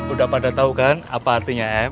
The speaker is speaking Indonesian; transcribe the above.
udah pada tau kan apa artinya m